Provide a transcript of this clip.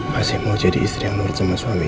pasti mau jadi istri yang menurut sama suami kan